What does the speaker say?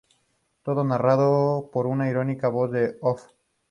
Todo narrado por un irónica voz en off.